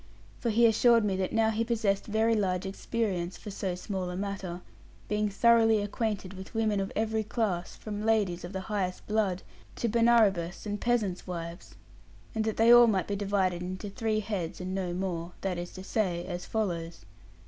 For he assured me that now he possessed very large experience, for so small a matter; being thoroughly acquainted with women of every class, from ladies of the highest blood, to Bonarobas, and peasants' wives: and that they all might be divided into three heads and no more; that is to say as follows.